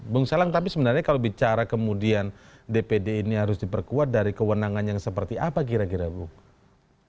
bung selang tapi sebenarnya kalau bicara kemudian dpd ini harus diperkuat dari kewenangan yang seperti apa kira kira bung